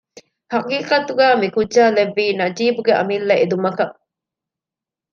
ހަޤީޤަތުގައި މިކުއްޖާ ލެއްވީ ނަޖީބުގެ އަމިއްލަ އެދުމަކަށް